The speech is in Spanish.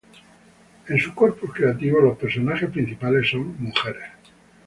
En su corpus creativo, los personajes principales son mujeres.